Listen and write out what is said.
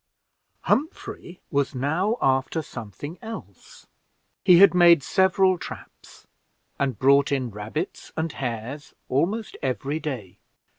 Humphrey was now after something else. He had made several traps, and brought in rabbits and hares almost every day.